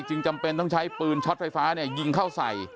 จำเป็นต้องใช้ปืนช็อตไฟฟ้ายิงเข้าใส่